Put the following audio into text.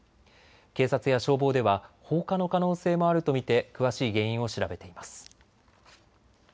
警察や消防では放火の可能性もあると見て詳しい原因を調べています。